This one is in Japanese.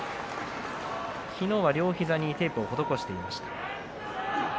昨日は両膝にテープを施していました。